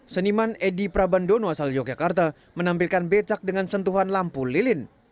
seniman edi prabandono asal yogyakarta menampilkan becak dengan sentuhan lampu lilin